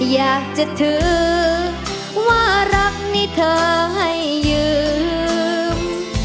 อยากจะถือว่ารักนี่เธอให้ยืม